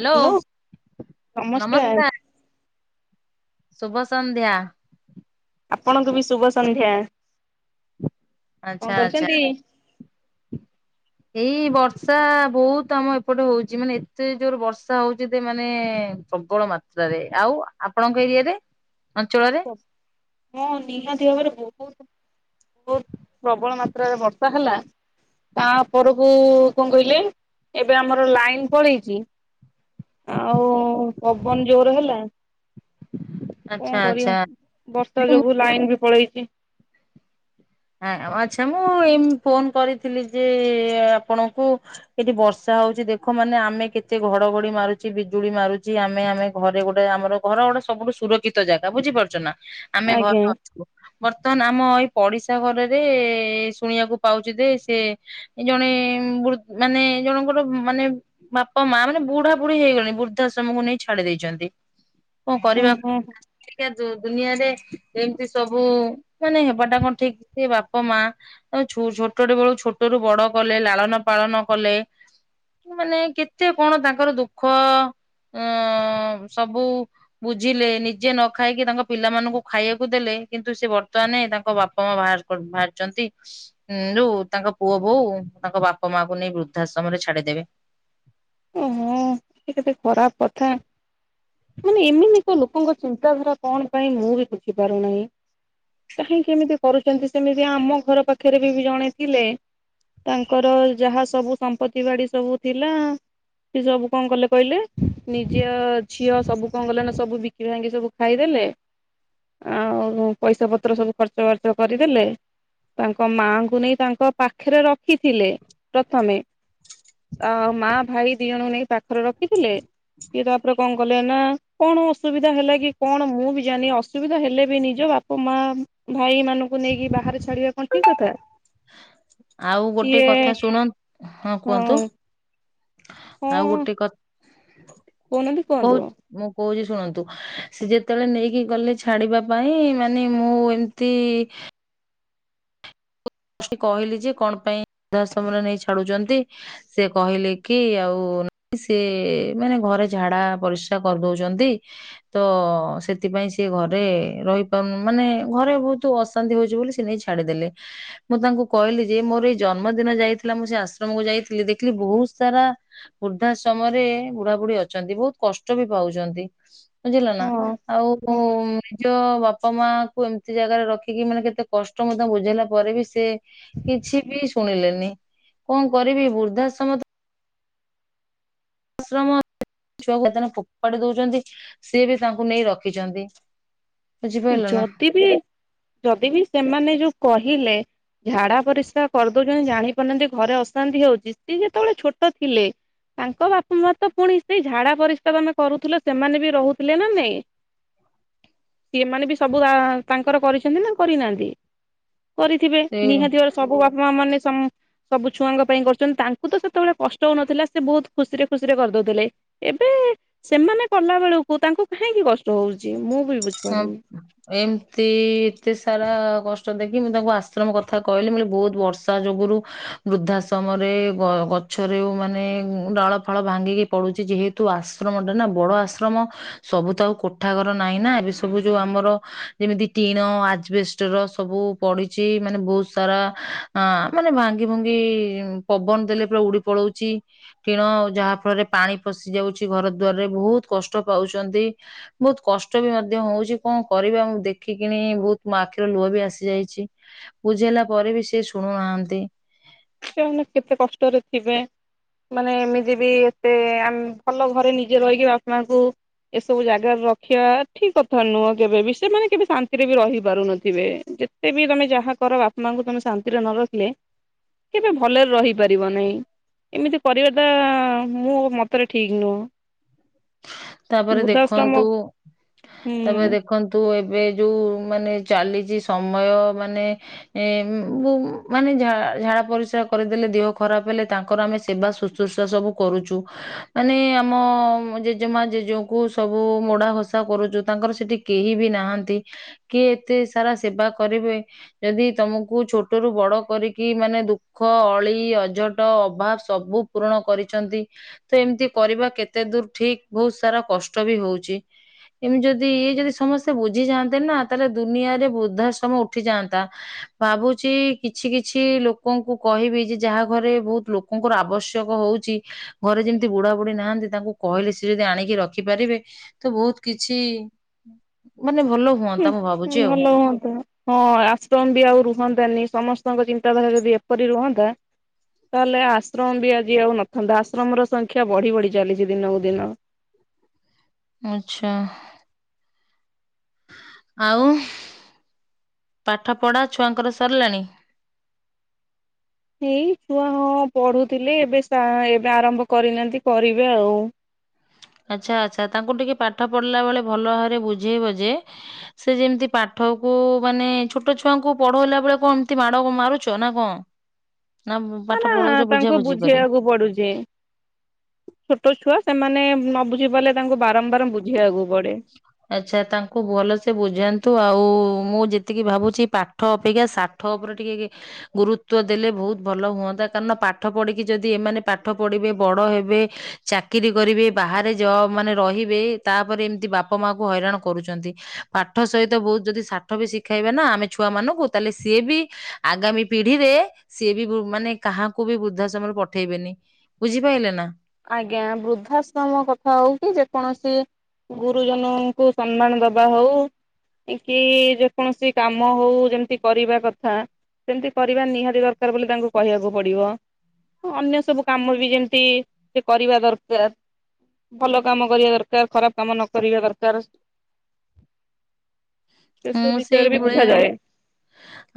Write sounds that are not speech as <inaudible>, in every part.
Hello hello ନମସ୍କାର। ଶୁଭ ସନ୍ଧ୍ୟା। ଆପଣଙ୍କୁ ବି ଶୁଭ ସଂନ୍ଧ୍ୟା। କଣ ଆଚ୍ଛା ଆଚ୍ଛା କରୁଛନ୍ତି? ଏଇ ବର୍ଷା ବହୁତ ଆମ ଏପଟେ ହଉଛି, ମାନେ ଏତେ ଜୋର ବର୍ଷା ହଉଛି, ମାନେ ପ୍ରବଳ ମାତ୍ରାରେ ଆଉ ଆପଣଙ୍କ ଏରିଆରେ? ଅଞ୍ଚଳରେ ହଁ ନିହାତୀ ଭାବରେ ବହୁତ୍ ବହୁତ ପ୍ରବଳ ମାତ୍ରାରେ ବର୍ଷା ହେଲା, ତାପରକୁ କଣ କହିଲେ ଏବେ ଆମର ଲାଇନ ପଳେଇଛି, ଆଉ ପବନ ଜୋର ହେଲା। କଣ ଆଚ୍ଛା କରିବା ଆଚ୍ଛା ବର୍ଷା ଯୋଗୁ ଲାଇନ ବି ପଳେଇଛି। ହ ଆଚ୍ଛା ମୁଁ ଏ ଫୋନ କରିଥିଲି ଯେ ଆପଣଙ୍କୁ, ଏଠି ବର୍ଷା ହଉଛି, ଦେଖ ମାନେ ଆମେ କେତେ ଘଡଘଡି ମାରୁଛି, ବିଜୁଳି ମାରୁଛି, ଆମେ ଆମେ ଘରେ ଗୋଟେ ଆମର ଘର ଗୋଟେ, ସବୁଠୁ ସୁରକ୍ଷିତ ଜାଗା ବୁଝିପାରୁଛ ନା? ଆମେ ଆଜ୍ଞା ଘରେ ଅଛୁ ବର୍ତ୍ତମାନ ଆମ ଏଇ। ପଡ଼ିଶା। ଘରରେ ଶୁଣିବାକୁ ପାଉଛି ଯେ, ସେ ଜଣେ ମାନେ ଜଣଙ୍କର ମାନେ ବାପା ମା ମାନେ ବୁଢା ବୁଢୀ ହେଇଗଲେଣି ବୃଦ୍ଧାଶ୍ରମକୁ ନେଇ ଛାଡି ଦେଇଛନ୍ତି କଣ କରିବା ଓହୋ ଏବେକା ଦୁନିଆରେ ଏମିତି ସବୁ ମାନେ ହେବାଟା କଣ ଠିକ? ସେ ବାପା ମା ଛୋଟ ଟେ ବେଳୁ ଛୋଟ ରୁ ବଡ କଲେ, ଲାଳନ ପାଳନ କଲେ, ମାନେ କେତେ କଣ ତାଙ୍କର ଦୁଃଖ ଅ ସବୁ ବୁଝିଲେ ନିଜେ ନ ଖାଇକି ତାଙ୍କ ପିଲାମାନଙ୍କୁ ଖାଇବାକୁ ଦେଲେ କିନ୍ତୁ ସେ ବର୍ତ୍ତମାନ ତାଙ୍କ ବାପା ମା ବାହାରୁ କ ବାହାରିଛନ୍ତି ଯଉ ତାଙ୍କ ପୁଅ ବୋଉ ତାଙ୍କ ବାପା ମାଙ୍କୁ ନେଇ ବୃଦ୍ଧାଶ୍ରମରେ ଛାଡିଦେବେ। ଓହୋ ସେ କେତେ ଖରାପ କଥା। ମାନେ ଏମିତି କ ଲୋକଙ୍କ ଚିନ୍ତାଧାରା, କଣ ପାଇଁ ମୁଁ ବି ବୁଝିପାରୁନାହିଁ, କାହିଁକି ଏମିତି କରୁଛନ୍ତି, ସେମିତି ଆମ ଘର ପାଖରେ ବି ଜଣେ ଥିଲେ ତାଙ୍କର ଯାହା ସବୁ ସମ୍ପତ୍ତି ବାଡି ସବୁ ଥିଲା ସେ ସବୁ କଣ କଲେ କହିଲେ ନିଜ ଝିଅ ସବୁ କଣ ଗଲେ ନା ସବୁ ବିକି ଭାଙ୍ଗି ସବୁ ଖାଇଦେଲେ ଆଉ ପଇସା ପତ୍ର ସବୁ ଖର୍ଚ ବାର୍ଚ୍ଚ କରିଦେଲେ ତାଙ୍କ ମାଆଙ୍କୁ ନେଇ ତାଙ୍କ ପାଖରେ ରଖ ରଖି ଥିଲେ ପ୍ରଥମେ। ଆଉ ମା ଭାଇ ଦି ଜଣଙ୍କୁ ନେଇକି ପାଖରେ ରଖିଥିଲେ କିଏ ତାପରେ। କଣ କଲେ ନା କଣ ଅସୁବିଧା ହେଲା କି କଣ ମୁଁ ବି ଜାଣିନି ଅସୁବିଧା ହେଲେ ବି ନିଜ ବାପା ମା ଭାଇ ମାନଙ୍କୁ ନେଇକି ବାହାରେ ଛାଡିବା କଣ ଠିକ କଥା? ଆଉ ଗୋଟେ ସିଏ କଥା ଶୁଣ ହଁ କୁହନ୍ତୁ। ହଁ ଆଉ ଗୋଟେ କ କହୁନାହାନ୍ତି କୁହନ୍ତୁ। କହୁଛି ମୁଁ କହୁଛି। ଶୁଣନ୍ତୁ ସେ ଯେତେବେଳେ ନେଇକି ଗଲେ ଛାଡିବା ପାଇଁ ମାନେ ମୁଁ ଏମିତି କହିଲି ଯେ କଣ ପାଇଁ ସଧା ସମୟରେ ନେଇ ଛାଡୁଛନ୍ତି। ସିଏ କହିଲେ କି ଆଉ ସିଏ ମାନେ ଘରେ ଝାଡା ପରିସ୍ରା କରିଦଉଛନ୍ତି ତ ସେଥିପାଇଁ ସିଏ ଘରେ ରହିପାରୁନ ମାନେ ଘରେ ବହୁତ ଅଶାନ୍ତି ହଉଛି ବୋଲି ସେ ନେଇ ଛାଡିଦେଲେ। ମୁଁ ତାଙ୍କୁ କହିଲି ଯେ ମୋର ଏଇ ଜନ୍ମଦିନ ଯାଇଥିଲା ମୁଁ ସେ ଆଶ୍ରମକୁ ଯାଇଥିଲି ଦେଖିଲି ବହୁତ ସାରା ବୃଦ୍ଧା ସମୟରେ ବୁଢା ବୁଢୀ ଅଛନ୍ତି ବହୁତ କଷ୍ଟ ବି ପାଉଛନ୍ତି। ବୁଝିଲ ନା ହଁ ଆଉ ମୁଁ ହଁ ନିଜ ବାପା ବାପ ମା କୁ ଏମିତି ଜାଗାରେ ରଖିକି ମାନେ କେତେ କଷ୍ଟ ମଧ୍ୟ ବୁଝେଇଲା ପରେ ବି ସେ କିଛି ବି ଶୁଣିଲେନି କଣ କରିବି ବୃଦ୍ଧାଶ୍ରମ ତ ଶ୍ରମ ଛୁଆକୁ କେତେ ଫୋପାଡ଼ି ଦଉଛନ୍ତି ସିଏ ବି ତାଙ୍କୁ ନେଇ ରଖିଛନ୍ତି। ବୁଝିପାରିଲ ନା ଯଦି ବି ଯଦି ବି ସେମାନେ ଯୋଉ କହିଲେ। ଝାଡା ପରିସ୍ରା। କରିଦଉଛନ୍ତି ଜାଣି ପାରୁନାହାନ୍ତି ଘରେ ଅଶାନ୍ତି ହଉଛି। ସିଏ ଯେତେବେଳେ ଛୋଟ ଥିଲେ ତାଙ୍କ ବାପା ମା ତ ପୁଣି ସେଇ ଝାଡା ପରିଶ୍ରା ଆମେ କରୁଥିଲେ ସେମାନେ ବି ରହୁଥିଲେ ନା ନାଇ। ସିଏମାନେ ବି ସବୁ ତା ତାଙ୍କର କରିଛନ୍ତି ନା କରିନାହାନ୍ତି। କରିଥିବେ ସେ ନିହାତି ଘର ସବୁ ବାପା ମା ମାନେ ସ ସବୁ ଛୁଆଙ୍କ ପାଇଁ କରୁଛନ୍ତି। ତାଙ୍କୁ ତ ସେତେବେଳେ କଷ୍ଟ ହଉନଥିଲା ସେ ବହୁତ ଖୁସିରେ ଖୁସିରେ କରିଦଉଥିଲେ। ଏବେ ସେମାନେ କଲା ବେଳକୁ ତାଙ୍କୁ କାହିଁକି କଷ୍ଟ ହଉଛି ମୁଁ ବି ହଁ ବୁଝିପାରୁନି। ଏମତି ଏତେ ସାରା କ ଷ୍ଟ ଦେଖି ମୁଁ ତାଙ୍କୁ ଆଶ୍ରମ କଥା କହିଲି ବହୁତ ବର୍ଷା ଯୋଗୁରୁ ବୃଦ୍ଧା ସମୟରେ ଗଛରେ ମାନେ ଡାଳ ଫାଳ ଭାଙ୍ଗିକି ପଡୁଛି ଯେହେତୁ ଆଶ୍ରମ ଟା ନା ବଡ ଆଶ୍ରମ ସବୁ ତ ଆଉ କୋଠା ଘର ନାହିଁ ନା ଏବେ। ସବୁ ଯୋଉ ଆମର ଯେମିତି ଟିଣ ଆଜବେଷ୍ଟର ସବୁ ପଡିଛି। ମାନେ ବହୁତ ସାରା ଅ ମାନେ ଭାଙ୍ଗି ଭୁଙ୍ଗି ପବନ ଦେଲେ ପୁରା ଉଡି ପଲୋଉଛି ଟିଣ ଯାହା ଫଳରେ ପାଣି ପଶି ଯାଉଛି ଘର ଦ୍ୱାରରେ ବହୁତ କଷ୍ଟ ପାଉଛନ୍ତି ବହୁତ କଷ୍ଟ ବି ମା ମଧ୍ୟ ହଉଛି କଣ କରିବା ମୁଁ ଦେଖିକିଣି ବହୁତ ମୋ ଆଖିର ଲୁହ ବି ଆସି ଯାଇଛି ବୁଝେଇଲା ପରେ ବି ସେ ଶୁଣୁନାହାନ୍ତି। ସେମାନେ କେତେ କଷ୍ଟରେ ଥିବେ। ମାନେ ଏମିତି ବି ଏତେ ଆମ ଭଲ ଘରେ ନିଜେ ରହିକି ବାପା ମାଙ୍କୁ ଏସବୁ ଜାଗାରେ ରଖିବା ଠିକ କଥା ନୁହଁ। କେବେ ବି ସେମାନେ କେବେ ଶାନ୍ତିରେ ବି ରହିପାରୁନଥିବେ ଯେତେ ବି ତମେ ଯାହା କର ବାପା ମାଙ୍କୁ ତମେ ଶାନ୍ତିରେ ନ ରଖିଲେ କେବେ ଭଲରେ ରହିପାରିବ ନାହିଁ ଏମିତି କରିବାଟା ମୁଁ ମତରେ ଠିକ ନୁହଁ। ତାପରେ ବୃଦ୍ଧାଶ୍ରମ ଦେଖନ୍ତୁ ହୁଁ ତାପରେ ଦେଖନ୍ତୁ ଏ ଏବେ ଯୋଉ ମାନେ ଚାଲିଛି ସମୟ ମାନେ ଏ ଉ ମାନେ ଝାଡ଼ା ପରିସ୍ରା କରିଦେଲେ ଦେହ ଖରାପ ହେଲେ ତାଙ୍କର ଆମେ ସେବା ଶୁଶ୍ରୂଷା ସବୁ କରୁଛୁ ମାନେ ଆମ ଜେ ଜେମା ଜେଜେକୁ ସବୁ ମୋଡା ଘସା କରୁଛୁ। ତାଙ୍କର ସେଠି କେହି ବି ନାହାନ୍ତି କିଏ ଏତେ ସାରା ସେବା କରିବେ ଯଦି ତମକୁ ଛୋଟରୁୁ ବଡ କରିକି ମାନେ ଦୁଃଖ ଅଳି ଅଝଟ ଅଭାବ ସବୁ ପୂରଣ କରିଛନ୍ତି ତ ଏମିତି କରିବା କେତେ ଦୂର ଠିକ। ବହୁତ ସାରା କଷ୍ଟ ବି ହଉଛି। ଏମିତି ଯଦି ଇଏ ଯଦି ସମସ୍ତେ ବୁଝିଯାଆନ୍ତେ ନା ତାହେଲେ ଦୁନିଆରେ ବୃଦ୍ଧାଶ୍ରମ ଉଠିଯାଆନ୍ତା। ଭାବୁଛି କିଛି କିଛି ଲୋକଙ୍କୁ କହିବି ଯେ ଯାହା ଘରେ ବହୁତ ଲୋକଙ୍କର ଆବଶ୍ୟକ ହଉଛି ଘରେ ଯେମିତି ବୁଢା ବୁଢୀ ନାହାନ୍ତି ତାଙ୍କୁ କହିଲେ ଯଦି ଆଣିକି ରଖିପାରିବେ ତ ବହୁତ କିଛି ମାନେ ଭଲ ହ ହୁଅନ୍ତା ମୁଁ ଭାବୁଛି ଆଉ। ଭଲ ହୁଅନ୍ତା ହଁ ଆଶ୍ରମ ବି ଆଉ ରୁହନ୍ତାନି ସମସ୍ତେ ଙ୍କ ଚିନ୍ତାଧାରା ଯଦି ଏପରି ରୁହନ୍ତା। ତାହେଲେ ଆଶ୍ରମ ବି ଆଜି ଆଉ ନଥାନ୍ତା। ଆଶ୍ରମ ର ସଂଖ୍ୟା ବଢି ବଢି ଚାଲିଛି ଦିନକୁ ଦିନ। ଆଛା <inaudible> ଆଉ ପାଠ ପଢା ଛୁଆଙ୍କର ସରିଲାଣି। ଏଇ ଛୁଆ ହଁ ପଢୁଥିଲେ। ଏବେ ସେ ଏବେ ଆରମ୍ଭ କରିନାହାନ୍ତି, କରିବେ ଆଉ। ଆଚ୍ଛା ଆଚ୍ଛା ତାଙ୍କୁ ଟିକେ ପାଠ ପଢିଲା ବେଳେ ଭଲ ଭାବରେ ବୁଝେଇବ ଯେ। ସେ ଯେମିତି ପାଠକୁ ମାନେ ଛୋଟ ଛୁଆଙ୍କୁ ପଢେଇଲା ବେଳେ କଣ ଏମତି ମାଡ ମାରୁଛ ନା କଣ। ନା ପାଠ ନା ପଢଉଛ ତାଙ୍କୁ ବୁଝାବୁଝି କରି? ବୁଝେଇବାକୁ ପଡୁଛି। ଛୋଟ ଛୁଆ ସେମାନେ ନବୁ ଝି ବଲେ ତାଙ୍କୁ ବାରମ୍ବାର ବୁଝେଇବାକୁ ପଡେ। ଆଛା ତାଙ୍କୁ ଭଲସେ ବୁଝାନ୍ତୁ ଆଉ ମୁଁ ଯେତିକି ଭାବୁଛି ପାଠ ଅପେକ୍ଷା ସାଠ ଉପରେ ଟିକେ ଗୁରୁତ୍ୱ ଦେଲେ ବହୁତ ଭଲ ହୁଅନ୍ତା। କାରଣ ପାଠ ପଢିକି ଯଦି ଏମାନେ ପାଠ ପଢିବେ ବଡ ହେବେ ଚାକିର କରିବେ ବାହାରେ ଯ ମାନେ ରହିବେ ତାପରେ ଏମି ତି ବାପା ମା କୁ ହଇରାଣ କରୁଛନ୍ତି। ପାଠ ସହିତ ବହୁତ ଯଦି ସାଠ ବି ଶିଖାଇବେ ନା ଆମେ ଛୁଆ ମାନଙ୍କୁ ତାହେଲେ ସିଏ ବି ଆଗାମୀ ପିଢିରେ ସିଏ ବି ମାନେ କାହାକୁ ବି ବୃଦ୍ଧା ସମୟରେ ପଠେଇବେନି ବୁଝିପାଇଲେ ନା। ଆଜ୍ଞା ବୃଦ୍ଧାଶ୍ରମ କଥା ହଉ। କି ଯେକୌଣସି ଗୁରୁଜନଙ୍କୁ ସମ୍ମାନ ଦବା ହଉ କି ଯେକୌଣସି କାମ ହଉ ଯେମିତି କରିବା କଥା ସେମିତି କରିବା ନିହାତି ଦରକାର ବୋଲି ତାଙ୍କୁ କହିବାକୁ ପଡିବ। ଅନ୍ୟ ସବୁ କାମ ବି ଯେମିତି ସେ କରିବା ଦରକାର। ଭଲ କାମ କରିବା ଦରକାର ଖରାପ କାମ ନ କରିବା ଦରକାର। ସେସବୁ ହୁଁ ସେଇ ବିଷୟରେ ବି ଭଳିଆ ବୁଝାଯାଏ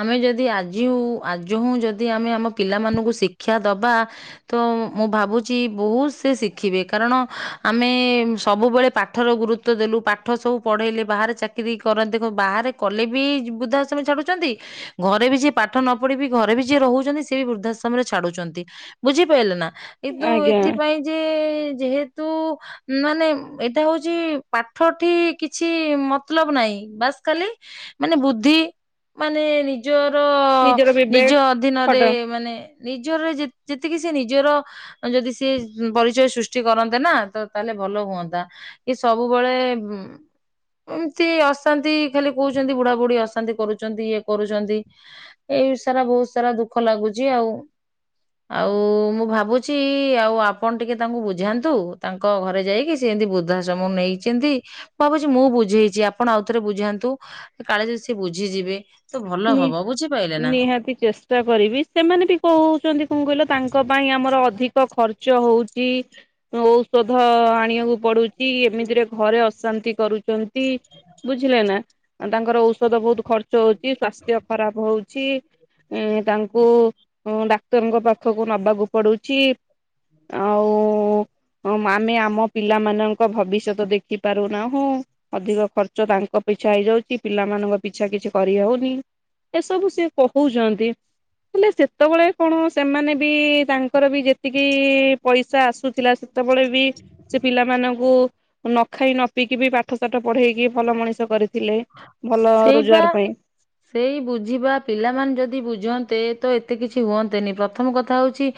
ଆମେ ଯଦି ଆଜି ହଉ ଆଜ ହୁଁ ଯଦି ଭାବୁଛି ଆମେ ଆମ ପିଲମାନଙ୍କୁ ଶିକ୍ଷା ଦବା ତ ମୁଁ ଭାବୁଛି ବୋହୁତ୍ ସେ ଶିଖିବେ କାରଣ ଆମେ ସବୁବେଳେ ପାଠ ର ଗୁରୁତ୍ଵ ଦେଲୁ। ପାଠ ସବୁ ପଢେଇ ଲେ। ବାହାରେ ଚାକିରି କରନ୍ତି ଦେଖ ବାହାରେ କଲେବି ବୃଦ୍ଧଶ୍ରମ ଛାଡୁଛନ୍ତି। ଘରେବି ଯେ ପାଠ ନ ପଢ଼ି ବି ଘରେ ବି ଜେ ରୋହୁଚନ୍ତି ସେ ବୃଦ୍ଧାଶ୍ରମ ରେ ଛାଡୁଛନ୍ତି। ବୁଝି ପାଇଲେନା। ଇଦୁ ଆଜ୍ଞା ଏଥି ପାଇଁ ଜେ ଯେହେତୁ ମାନେ ଏଇଟା ହଉଛି ପାଠ ଠି କିଛି ମତ୍ ଲବ୍ ନାହିଁ ବାସ୍ ଖାଲି ମାନେ ବୁଦ୍ଧି ମାନେ ନିଜ ନିଜ ନିଜର ନିଜ ବିବେକ ଖଟ ଅଧୀନରେ ମାନେ ନିଜର ଜେ ଜେ କି ସେ ନିଜର ଯଦି ସେି ପରିଚୟ ସୃଷ୍ଟି କରନ୍ତେ ନା ତ ତାହେଲେ ଭଲ ହୁଅନ୍ତା କି ସବୁବେଳେ ଏମ୍ ତ୍ତି ଏମିତି ଖାଲି କହୁଛନ୍ତି ବୁଢା ବୁଢ଼ୀ ଅଶାନ୍ତି କରୁଛନ୍ତି ଇଏ କରୁଛନ୍ତି ଏମିତି ସାରା ବହୁତ ସାରା ଦୁଃଖ ଲାଗୁଚି ଆଉ ଆଉ ମୁଁ ଭାବୁଚି ଆଉ ଆପଣ ଟିକେ ତାଙ୍କୁ ବୁଝାନ୍ତୁ ତାଙ୍କ ଘରେ ଯାଇକି ସେ ଯଦି ଵୃଦ୍ଧାଶ୍ରମ ନେଇଛନ୍ତି ଭାବୁଚି ମୁଁ ବୁଝେଇଚି ଆପଣ ଆଉ ଥରେ ବୁଝାନ୍ତୁ କାଳେ ଯଦି ସେ ବୁଝିଯିବେ ତ ଭଲ ହବ ବୁଝିପାଇଲେ ନା ନିହାତି ଚେଷ୍ଟା କରିବି ସେମାନେ ବି କହୁଛନ୍ତି କଣ କହିଲ ତାଙ୍କ ପାଇଁ ଆମର ଅଧିକ ଖର୍ଚ୍ଚ ହଉଛି ଔଷଧ ଆଣିବାକୁ ପଡୁଛି ଏମିତିରେ ଘରେ ଅଶାନ୍ତି କରୁଛନ୍ତି। ଟି ବୁଝିଲେ ନା ତାଙ୍କର ଔଷଧ ବୋହୁତ ଖର୍ଚ୍ଚ ହୋଉ କି ସ୍ଵାସ୍ଥ୍ୟ ଖରାପ ହଉଛି ଛି ଉଁ ତାଙ୍କୁ ଡାକ୍ତରଙ୍କ ପାଖକୁ ନବା କୁ ପଡୁଚି ଆଉ ଆଉ ଆମେ ଆମ ପିଲାଙ୍କ ଭବିଷ୍ୟତ ଦେଖି ପାରୁନାହୁଁ ଅଧିକ ଖର୍ଚ୍ଚ ତାଙ୍କପିଛା ହେଇଯାଉଚି ପିଲାମାନଙ୍କ ପିଛା କିଛି ଖ ଇଏ ହଉନି ଏ ସବୁ ସେ କହୁଛନ୍ତି ହେଲେ ସେତେବେଳେ କଣ ସେମାନେ ବି ତାଙ୍କର ବି ଯେତିକି ପଇସା ଆସୁଥିଲା ସେତେବେଳେ ବି ସେ ପିଲାମାନଙ୍କୁ ନ ଖାଇ ନ ପିିକି ବି ପାଠ ସାାଠ ପଢେଇକି ଭଲ ମଣିଷ କରି ଥିଲେ ଭଲ ସେଇ ବା ରୋଜଗାର ପାଇଁ ସେଇ ବୁଝିବା ପିଲାମାନେ ଯଦି ବୁଝନ୍ତେ ତ ଏତେ କିଛି ହୁଅନ୍ତେ ନି, ପ୍ରଥମ କଥା ହେଉଛି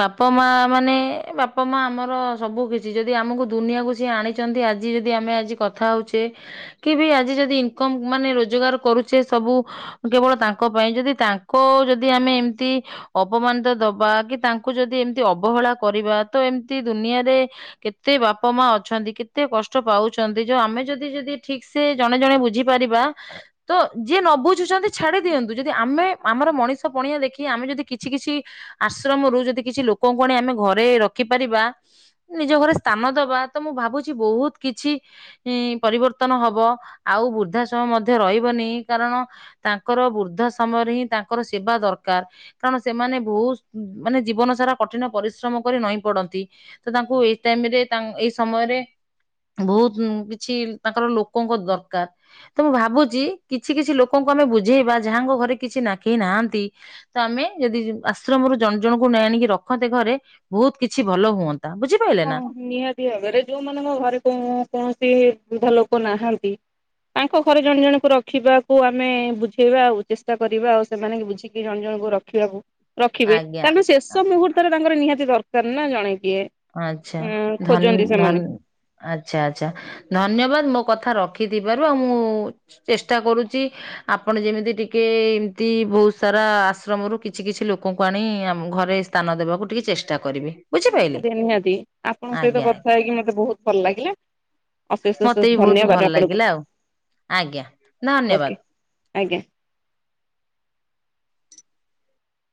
ବାପା, ମା ମାନେ ବାପ, ମା ଆମର ସବୁ କିଛି ଜଦି ଆମକୁ ଦୁନିଆ କୁ ସେ ଆଣିଛନ୍ତି। ଆଜି ଯଦି ଆମେ ଆଜି କଥା ହୋଊଚେ କି, ବି ଆଜି ଯଦି ଏତେ ଇନ୍ କମ୍ ମାନେ ରୋଜଗାର କରୁଛେ ସବୁ କେବଳ ତାଙ୍କ ପାଇଁ ଯଦି ତାଙ୍କ ଜଦୀ ଆମେ ଏମତି ଅପମାନିତ ଦବା କି ତାଙ୍କୁ ଯଦି ଏମତି ଅବହେଳା କରିବା। ତ ଏମତି ଦୁନିଆରେ କେତେ ବାପ, ମା ଅଛନ୍ତି। କେତେ କଷ୍ଟ ପାଉଛନ୍ତି। ଜ ଆମେ ଯଦି, ଯଦି ଠିକ୍ ସେ ଜ େ ଜଣେ ବୁଝି ପାରିବା ତ ଯିଏ ନ ବୁଝୁଛନ୍ତି ଛାଡି ଦିଅନ୍ତୁ ଯଦି ଆମେ ଆମର ମଣିଷ ପଣିଆ ଦେଖି ଆମେ ଯଦି କିଛି କିଛି ଆଶ୍ରମରୁ ଯଦି କିଛି ଲୋକଙ୍କୁ ଆଣି ଆମେ ଘରେ ରଖିପାରିବା ନିଜ ଘରେ ସ୍ଥାନ ଦବା ତ ମୁଁ ଭାବୁଛି ବହୁତ କିଛି ପରିବର୍ତ୍ତନ ହବ। ଆଉ ବୃଦ୍ଧା ସମୟ ମଧ୍ୟ ରହିବନି କାରଣ ତାଙ୍କର ବୃଦ୍ଧା ସମୟରେ ହିଁ ତାଙ୍କର ସେବା ଦରକାର କାରଣ ସେମାନେ ବହୁତ ମାନେ ଜୀବନ ସାରା କଠିନ ପରିଶ୍ରମ କରି ନଈଁ ପଡନ୍ତି ତ ତାଙ୍କୁ ଏଇ ଟାଇମରେ ତା ଏଇ ସମୟରେ ବହୁତ କିଛି ତାଙ୍କର ଲୋକଙ୍କ ଦର ଦ ତ ମୁଁ ଭାବୁଛି କିଛି କିଛି ଲୋକଙ୍କୁ ଆମେ ବୁଝେଇବା ଯାହାଙ୍କ ଘରେ କିଛି ନାଖେଇ ନାହାନ୍ତି ତ ଆମେ ଯଦି ଆଶ୍ରମରୁ ଜଣ ଜଣଙ୍କୁ ନାଇ ଆଣିକି ରଖନ୍ତେ ଘରେ ବହୁତ୍ କିଛି ଭଲ ହୁଅନ୍ତା। ବୁଝିପାରିଲେ ହଁ ନା ନିହାତି ଭାବରେ ଯୋଉମାନଙ୍କ ଘରେ କୁହନ୍ତି ବୃଦ୍ଧ ଲୋକ ନାହାନ୍ତି ତାଙ୍କ ଘରେ ଜଣେ ଜଣଙ୍କୁ ରଖିବାକୁ ଆମେ ବୁଝେଇବା ଆଉ ଚେଷ୍ଟା କରିବା ଆଉ ସେମାନେ ବୁଝିକି ଜଣେ ଜଣଙ୍କୁ ରଖିବାକୁ ରଖିବେ ଆଜ୍ଞା କାରଣ ଶେଷ ମୁହୂର୍ତ୍ତରେ ତାଙ୍କର ନିହାତି ଦର୍ ସ ନା ଜଣେ କିଏ? ଆଚ୍ଛା ଉଁ ଧନ୍ ଖୋଜନ୍ତି ଧନ୍ ସେମାନେ। ଆଚ୍ଛା ଆଚ୍ଛା ଧନ୍ୟବାଦ୍ ମୋ କଥା ରଖୁ ରଖିଥପାରୁ ଆଉ ମୁଁ ଚେଷ୍ଟା କରୁଛି ଆପଣ ଯେମିତି ଟିକିେ ଏମିତି ବହୁତ ସାରା ଆଶ୍ରମରୁ କିଛି କିଛି ଲୋକଙ୍କୁ ଆଣି ଘରେ ସ୍ଥାନ ଦେବାକୁ ଟିକିେ ଚେଷ୍ଟା କରିବେ। ବୁଝି ପାଇଲେ ନିହାତି ନିହାତି ଆପଣଙ୍କ ସହିତ କଥା ହେଇକି ମତେ ବହୁତ ଭଲ ଲାଗିଲା। ଅଶେଷ ଅଶେଷ ମତେ ବି ବହୁତ ଧନ୍ୟବାଦ ଭଲ ଆପଣଙ୍କୁ ଲାଗିଲା ଆଉ ଆଜ୍ଞା ଓକେ ଧନ୍ୟବାଦ। ଆଜ୍ଞା।